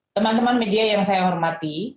teman teman media yang saya hormati